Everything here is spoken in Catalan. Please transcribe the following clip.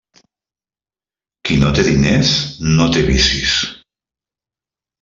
Qui no té diners, no té vicis.